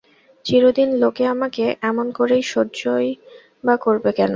চিরদিন লোকে আমাকে এমন করে সহ্যই বা করবে কেন?